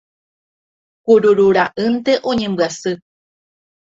Kururu ra'ýnte oñembyasy